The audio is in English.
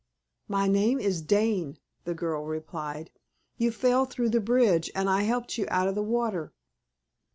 "My name is Dane," the girl replied. "You fell through the bridge, and I helped you out of the water."